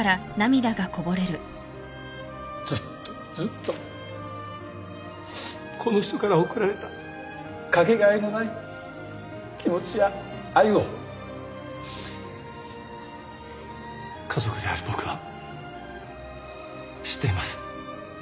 ずっとずっとこの人から贈られたかけがえのない気持ちや愛を家族である僕は知っています。